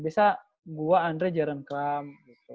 biasa gue andre jaren kram